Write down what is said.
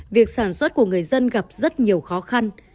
việc sản xuất của người dân gặp rất nhiều khó khăn